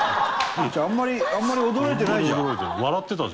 あんまりあんまり驚いてないじゃん。